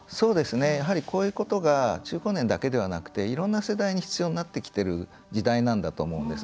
やはり、こういうことが中高年だけではなくていろんな世代に必要になってきてる時代なんだと思うんです。